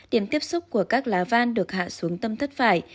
điểm tiếp xúc của các lá van được hạ xuống tâm thất phải